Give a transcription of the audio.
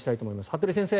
服部先生